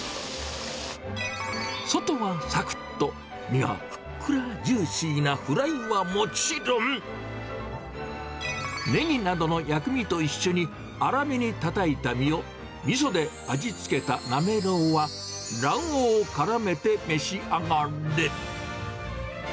外はさくっと、身はふっくらジューシーなフライはもちろん、ネギなどの薬味と一緒に、粗めにたたいた身を、みそで味付けたなめろうは、卵黄をからめてめしあがれ。